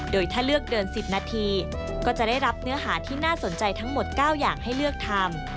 โดยถ้าเลือกเดิน๑๐นาทีก็จะได้รับเนื้อหาที่น่าสนใจทั้งหมด๙อย่างให้เลือกทำ